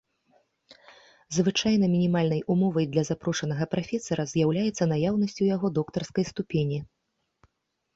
Звычайна мінімальнай умовай для запрошанага прафесара з'яўляецца наяўнасць у яго доктарскай ступені.